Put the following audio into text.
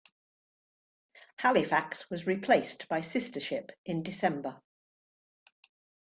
"Halifax" was replaced by sister ship in December.